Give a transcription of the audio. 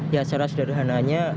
ya secara sederhananya